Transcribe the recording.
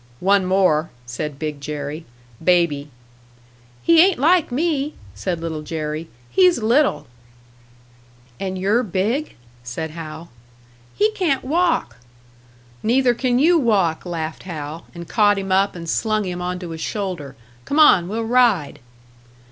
"One more," said Big Jerry. "Baby." "He ain't like me," said Little Jerry. "He's little." "And you're big?" said Hal. "He can't walk!" "Neither can you walk!" laughed Hal, and caught him up and slung him onto his shoulder. "Come on, we'll ride!"